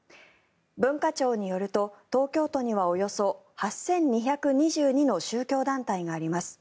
文化庁によると東京都にはおよそ８２２２の宗教団体があります。